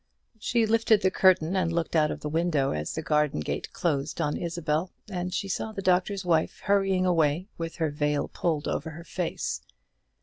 She lifted the curtain and looked out of the window as the garden gate closed on Isabel, and she saw the Doctor's Wife hurrying away with her veil pulled over her face.